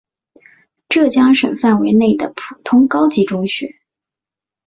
浙江省范围内的普通高级中学。